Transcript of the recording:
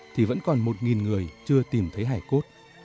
thì vẫn còn một người chưa tìm thấy hải cốt